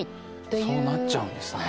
そうなっちゃうんですね。